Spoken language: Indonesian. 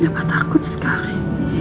ngapa takut sekali